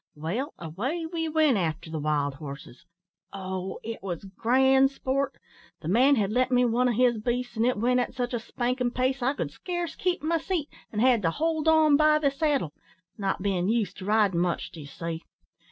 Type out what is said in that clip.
Well, away we went after the wild horses. Oh! it was grand sport! The man had lent me one of his beasts, an' it went at such a spankin' pace, I could scarce keep my seat, and had to hold on by the saddle not bein' used to ridin' much, d'ye see.